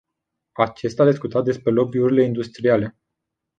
Acesta a discutat despre lobby-urile industriale.